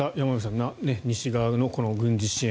この西側の軍事支援